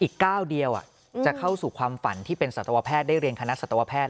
อีกก้าวเดียวจะเข้าสู่ความฝันที่เป็นสัตวแพทย์ได้เรียนคณะสัตวแพทย์